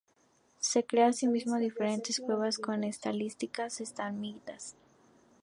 Se crea así mismo diferentes cuevas con estalactitas y estalagmitas.